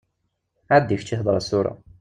Ɛeddi kečči hḍeṛ-as tura.